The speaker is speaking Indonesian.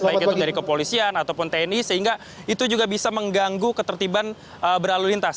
baik itu dari kepolisian ataupun tni sehingga itu juga bisa mengganggu ketertiban berlalu lintas